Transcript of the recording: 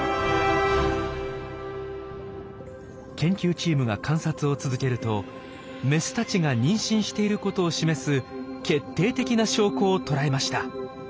研究チームが観察を続けるとメスたちが妊娠していることを示す決定的な証拠を捉えました。